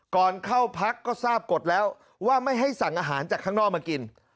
ก่อนเข้าพักก็ทราบกฎแล้วว่าไม่ให้สั่งอาหารจากข้างนอกมากิน